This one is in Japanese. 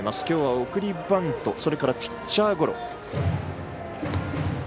きょうは送りバントそれからピッチャーゴロ。